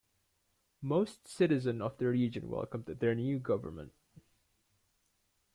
Most citizens of the region welcomed their new government.